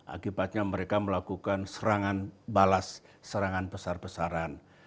akibatnya mereka melakukan serangan balas serangan besar besaran